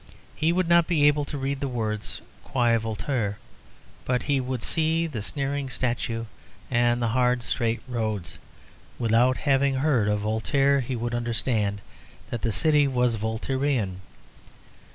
He would not be able to read the words "Quai Voltaire;" but he would see the sneering statue and the hard, straight roads; without having heard of Voltaire he would understand that the city was Voltairean.